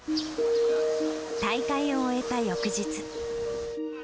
大会を終えた翌日。